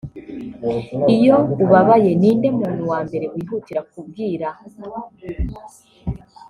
Iyo ubabaye ninde muntu wa mbere wihutira kubwira